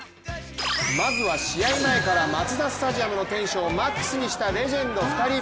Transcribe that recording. まずは、試合前からマツダスタジアムのテンションをマックスにしたレジェンド２人。